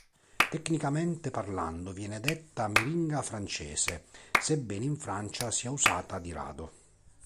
Tecnicamente parlando viene detta "meringa francese", sebbene in Francia sia usata di rado.